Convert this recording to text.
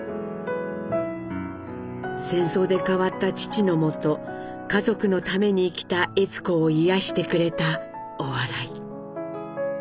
戦争で変わった父のもと家族のために生きた悦子を癒やしてくれたお笑い。